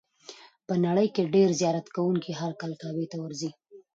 په نړۍ کې ډېر زیارت کوونکي هر کال کعبې ته ورځي.